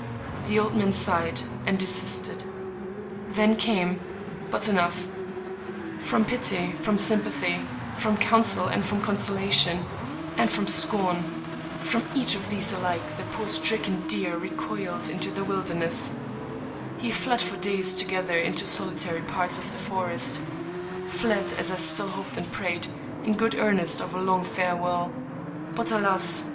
The old man sighed, and desisted. Then came — But enough! From pity, from sympathy, from counsel, and from consolation, and from scorn — from each of these alike the poor stricken deer " recoiled into Ii6 Thomas De Quincey the wilderness;" he fled for days together into solitary parts of the forest; fled, as I still hoped and prayed, in good earnest and for a long farewell; but, alas!